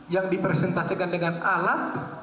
yang dipresentasikan dengan alat